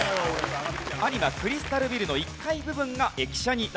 有馬クリスタルビルの１階部分が駅舎になっています。